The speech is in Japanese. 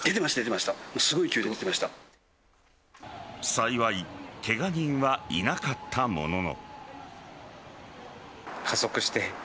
幸いケガ人はいなかったものの。